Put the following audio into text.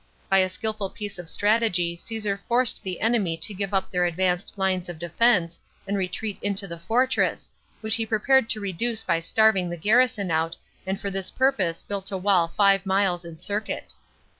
By a skilful piece of strategy Caesar forced the enemy to give up their advanced lines of defence, and retreat into the fortress, which he prepared to reduce by starving the garrison out and for this purpose built a wall five miles iu 27 B.O. 14 A.D. ILLTBIOUH. 9? circuit.